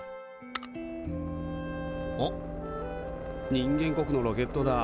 人間国のロケットだ。